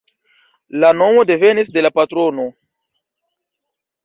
La nomo devenis de la patrono.